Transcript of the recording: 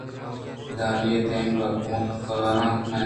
پدا آئی ءَ دیم پہ کمکاراں ترّینت